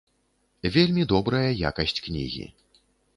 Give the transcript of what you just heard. Вельмі добрая якасць кнігі.